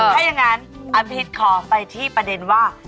ถ้าอย่างนั้นอภิษขอไปที่ประเด็นว่า